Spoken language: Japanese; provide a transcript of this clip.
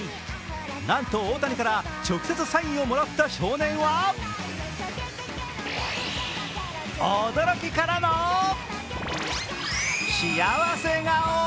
なんと大谷から直接サインをもらった少年は驚きからの幸せ顔。